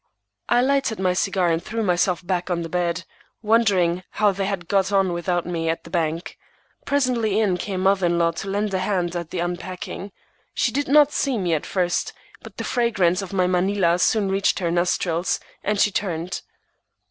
I lighted my cigar and threw myself back on the bed, wondering how they had got on without me at the bank. Presently in came mother in law to lend a hand at the unpacking. She did not see me at first, but the fragrance of my Manila soon reached her nostrils, and she turned.